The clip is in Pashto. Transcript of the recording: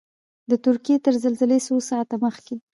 د ترکیې تر زلزلې څو ساعته مخکې.